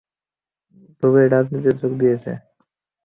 ডুবে রাজনীতিতে যোগ দিয়েছে।